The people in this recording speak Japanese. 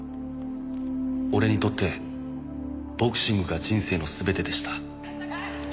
「俺にとってボクシングが人生のすべてでした」